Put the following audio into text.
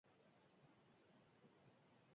Emanaldiotan, diskoa osorik joko duzue?